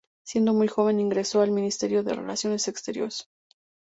Siendo muy joven ingresó al Ministerio de Relaciones Exteriores.